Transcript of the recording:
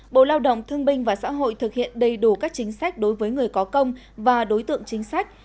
bộ lao động thương binh và xã hội thực hiện đầy đủ các chính sách đối với người có công và đối tượng chính sách